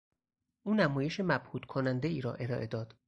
او نمایش مبهوت کنندهای را ارائه داد.